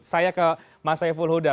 saya ke masyaiful huda